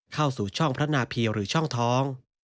เข้าสู่ช่องพระนาพีหรือช่องท้อง